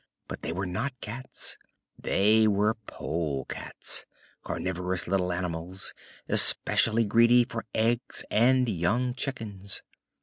But they were not cats; they were polecats carnivorous little animals, especially greedy for eggs and young chickens.